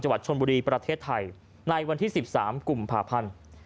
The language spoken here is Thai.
วัดชนบุรีประเทศไทยในวันที่๑๓กุมภาพันธ์